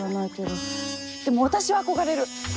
でも私は憧れる！